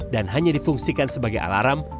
dan hanya difungsikan sebagai alarm